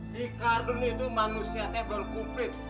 si kak dun itu manusia tebal kumplit